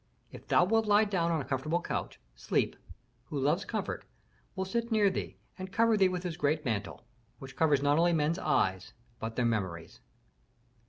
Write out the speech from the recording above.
If thou wilt lie down on a comfortable couch, Sleep, who loves comfort, will sit near thee and cover thee with his great mantle, which covers not only men's eyes, but their memories."